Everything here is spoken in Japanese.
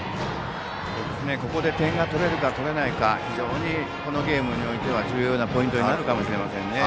ここで点が取れるか取れないか非常にこのゲームにおいては重要なポイントになりますね。